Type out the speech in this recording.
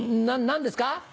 何ですか？